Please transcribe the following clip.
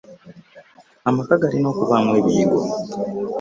Amaka galina okubamu ebiyigo.